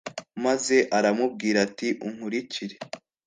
maze aramubwira ati : "unkurikire."